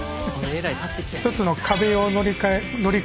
１つの壁を乗り越える。